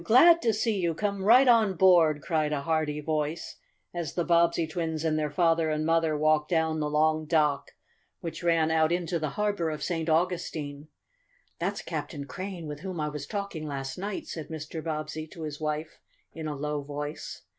Glad to see you! Come right on board!" cried a hearty voice, as the Bobbsey twins and their father and mother walked down the long dock which ran out into the harbor of St. Augustine. "That's Captain Crane, with whom I was talking last night," said Mr. Bobbsey to his wife in a low voice.